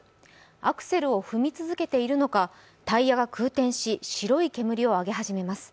アクセルを踏み続けているのかタイヤが空転し白い煙を上げ始めます。